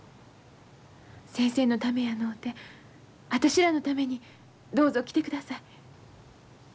先生のためやのうて私らのためにどうぞ来てください。